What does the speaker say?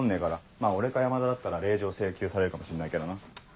まぁ俺か山田だったら令状請求されるかもしんないけどな。